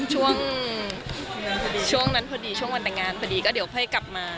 ช่วงช่วงนั้นพอดีช่วงวันแต่งงานพอดีก็เดี๋ยวค่อยกลับมา